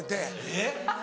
えっ！